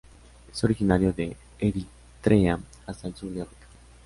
Es originario de Eritrea hasta el sur de África.